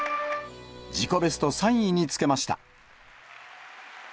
自己ベスト３位につけました。